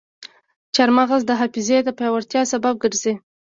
چارمغز د حافظې د پیاوړتیا سبب ګرځي.